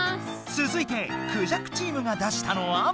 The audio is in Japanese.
つづいてクジャクチームが出したのは。